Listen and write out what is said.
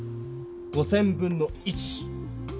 ５，０００分の１。